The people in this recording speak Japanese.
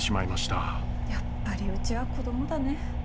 やっぱりうちは子供だね。